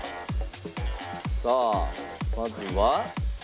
さあまずは。